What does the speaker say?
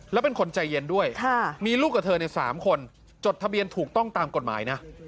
แล้วเป็นคนใจเย็นด้วยมีลูกกับเธอใน๓คนจดทะเบียนถูกต้องตามกฎหมายนะ